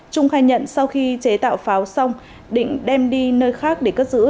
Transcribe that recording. trung khai nhận sau khi chế tạo pháo xong định đem đi nơi khác để cất giữ